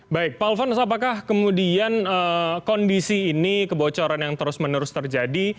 baik pak alfons apakah kemudian kondisi ini kebocoran yang terus menerus terjadi